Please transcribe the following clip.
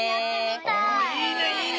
おいいねいいね。